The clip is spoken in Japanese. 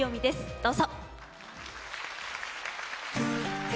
どうぞ。